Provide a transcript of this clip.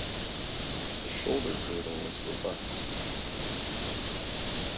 The shoulder girdle was robust.